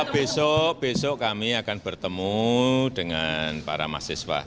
besok besok kami akan bertemu dengan para mahasiswa